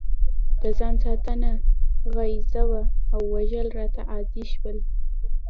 د ځان ساتنه غریزه وه او وژل راته عادي شول